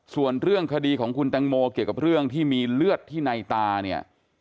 ส่วนเรื่องคดีของคุณแตงโมเกี่ยวกับเรื่องที่มีเลือดที่ในตาเนี่ย